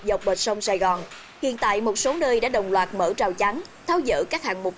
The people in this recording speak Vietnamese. dọc bờ sông sài gòn hiện tại một số nơi đã đồng loạt mở rào chắn tháo dỡ các hạng mục